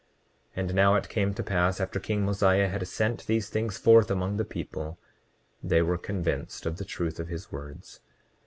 29:37 And now it came to pass, after king Mosiah had sent these things forth among the people they were convinced of the truth of his words.